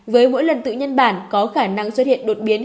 với mỗi lần tự nhân bản có khả năng xuất hiện đột biến